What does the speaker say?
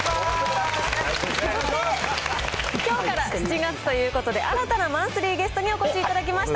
そして、きょうから７月ということで、新たなマンスリーゲストにお越しいただきました。